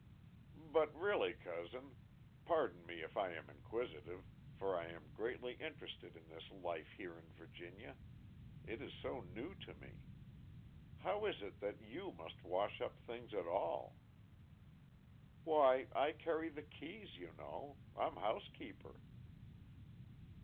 "] "But really, cousin pardon me if I am inquisitive, for I am greatly interested in this life here in Virginia, it is so new to me how is it that you must wash up things at all?" "Why, I carry the keys, you know. I'm housekeeper."